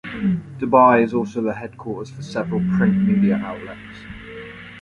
Dubai is also the headquarters for several print media outlets.